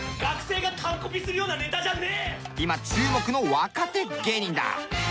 今注目の若手芸人だ。